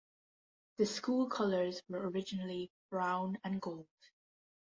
The school colours were originally brown and gold.